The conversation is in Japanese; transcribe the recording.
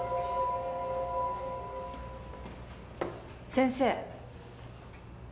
先生。